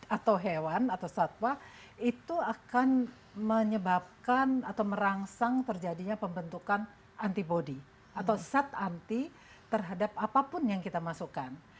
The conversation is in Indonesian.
atau hewan atau satwa itu akan menyebabkan atau merangsang terjadinya pembentukan anti bodi atau sat anti terhadap apa pun yang kita masukkan